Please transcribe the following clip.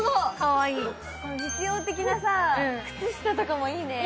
実用的な靴下とかも、いいね。